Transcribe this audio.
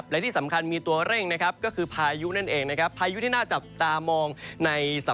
และที่สำคัญมีตัวเร่งก็คือพายุนั่นเองพายุที่น่าจับตามองในสัปดาห์หน้า